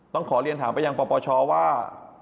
ต้องขอเรียนถามไปยังปปชว่า